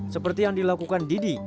seperti yang dilakukan didi